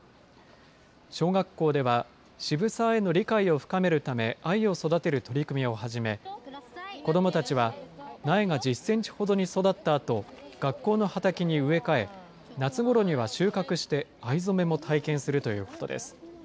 小学校では、渋沢への理解を深めるため、藍を育てる取り組みを始め、子どもたちは苗が１０センチほどに育ったあと、学校の畑に植え替え、夏ごろには収穫して、藍染めも体験するということです。